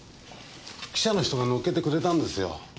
記者の人が載っけてくれたんですよ。